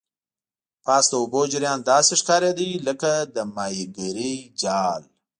پاس د اوبو جریان داسې ښکاریدل لکه د ماهیګرۍ جال.